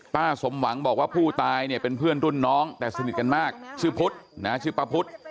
สมหวังบอกว่าผู้ตายเนี่ยเป็นเพื่อนรุ่นน้องแต่สนิทกันมากชื่อพุทธนะชื่อป้าพุทธ